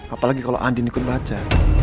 apalagi kalau andin ikut baca